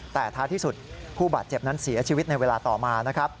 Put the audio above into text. แต่ท้ายที่สุดผู้บาดเจ็บนั้นเสียชีวิตในเวลาต่อมานะครับ